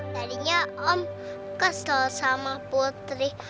tadinya om kesel sama putri